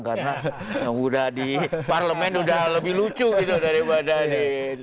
karena yang udah di parlemen udah lebih lucu gitu daripada di